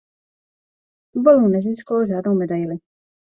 Tuvalu nezískalo žádnou medaili.